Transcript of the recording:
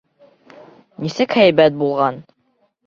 Нисек һәйбәт булған!